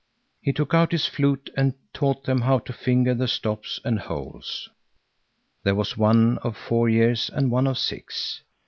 He took out his flute and taught them how to finger the stops and holes. There was one of four years and one of six.